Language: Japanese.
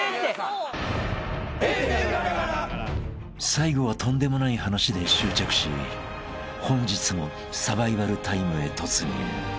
［最後はとんでもない話で終着し本日もサバイバルタイムへ突入］